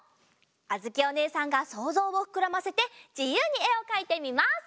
あづきおねえさんがそうぞうをふくらませてじゆうにえをかいてみます！